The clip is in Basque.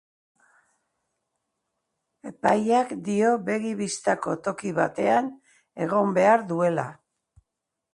Epaiak dio begi-bistako toki batean egon behar duela.